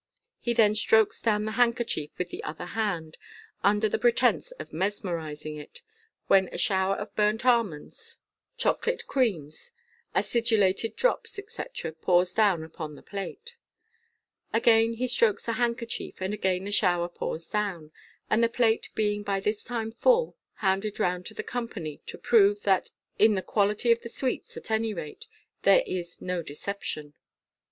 He then strokes down the handkerchief with the other hand, under the pre tence of mesmerising it, when a shower of burnt almonds, chocolate 252 MODERN MAGTC. creams, acidulated drops, etc., pours down upon the plate. Attain he strokes the handkerchief, and again the shower pours down ; and the plate, being by this time full, is handed round to the company to prove that in the quality of the sweets, at any rate, there is " no deception."